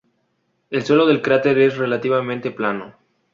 El suelo del cráter es relativamente plano.